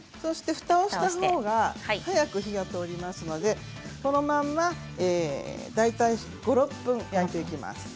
ふたをしたほうが早く火が通りますのでこのまま、大体５、６分焼いていきます。